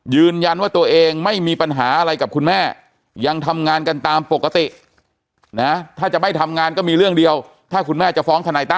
ยืนยันว่าตัวเองไม่มีปัญหาอะไรกับคุณแม่ยังทำงานกันตามปกตินะถ้าจะไม่ทำงานก็มีเรื่องเดียวถ้าคุณแม่จะฟ้องทนายตั